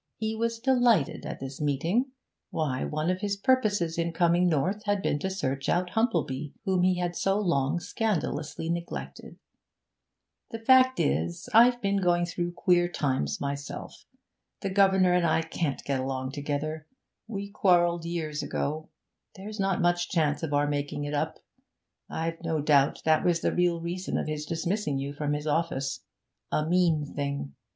He was delighted at this meeting; why, one of his purposes in coming north had been to search out Humplebee, whom he had so long scandalously neglected. 'The fact is, I've been going through queer times myself. The governor and I can't get along together; we quarrelled years ago, there's not much chance of our making it up. I've no doubt that was the real reason of his dismissing you from his office a mean thing!